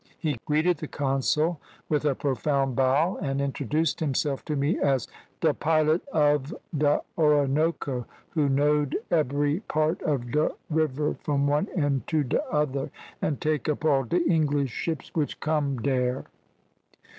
He greeted the consul with a profound bow, and introduced himself to me as `de pilot of de Orinoco,' who `knowed ebery part of de river from one end to de other, and take up all de English ships which come dare.'